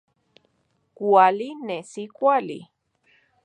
Kuali, nesi kuali